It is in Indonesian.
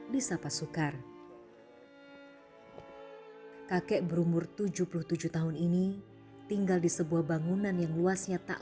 di sapa sukar kakek berumur tujuh puluh tujuh tahun ini tinggal di sebuah bangunan yang luasnya tak